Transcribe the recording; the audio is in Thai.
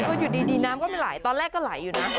คืออยู่ดีน้ำก็ไม่ไหลตอนแรกก็ไหลอยู่นะ